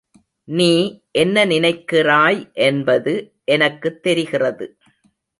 நீ என்ன நினைக்கிறாய் என்பது எனக்குத் தெரிகிறது.